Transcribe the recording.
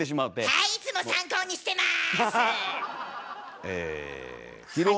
はいいつも参考にしてます。